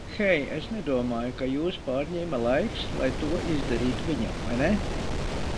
Hei, es nedomāju, ka jūs pārņēma laiks, lai to izdarītu viņam, vai ne?